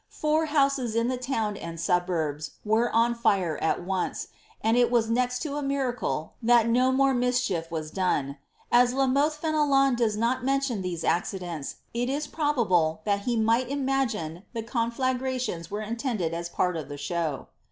Four house* in the lowo and suburbs were on fire ai once, and it was nexi tn a mira cle tliat no raore misrhief was done. As La Molhe Fenelon does not mention these accidents, i( is probable thai he migtil imagine Uie coit flagiaitons were intended for a pari of the sliow.